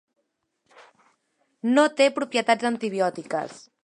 No té propietats antibiòtiques.